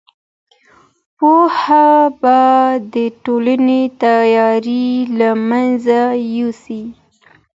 پوهه به د ټولني تیارې له منځه یوسي.